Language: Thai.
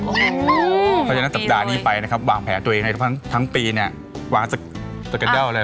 เพราะฉะนั้นสัปดาห์นี้ไปวางแผลตัวเองทั้งปีวางสเกอร์เดลเลย